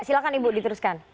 silakan ibu diteruskan